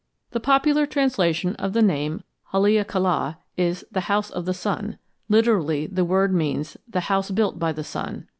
The popular translation of the name Haleakala is "The House of the Sun"; literally the word means "The House Built by the Sun."